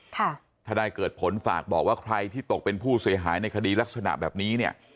ทนายเกิดผลฝากบอกว่าใครที่ตกเป็นผู้เสียหายในคดีลักษณะแบบนี้เนี่ย